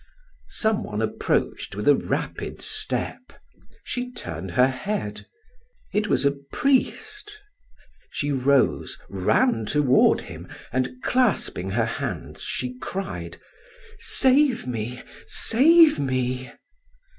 Some one approached with a rapid step; she turned her head. It was a priest. She rose, ran toward him, and clasping her hands, she cried: "Save me, save me!"